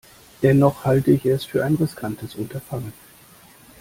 Dennoch halte ich es für ein riskantes Unterfangen.